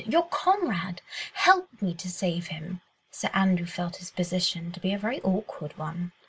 —your comrade!—Help me to save him." Sir Andrew felt his position to be a very awkward one.